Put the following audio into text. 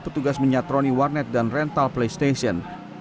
petugas menyatroni warnet dan rental playstation